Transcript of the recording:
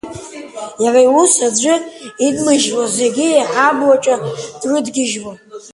Иара иус аӡәы идмыжьло, зегьы иҳаблаҿы дрыдгьыжьло.